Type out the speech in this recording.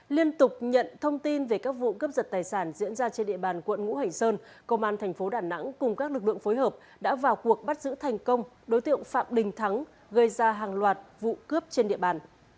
liên tục nhận thông tin về các vụ cướp giật tài sản diễn ra trên địa bàn quận ngũ hành sơn công an thành phố đà nẵng cùng các lực lượng phối hợp đã vào cuộc bắt giữ thành công đối tượng phạm đình thắng gây ra hàng loạt vụ cướp trên địa bàn